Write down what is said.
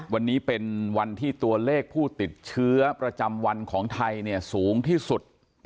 วันนี้เป็นวันที่ตัวเลขผู้ติดเชื้อประจำวันของไทยสูงที่สุด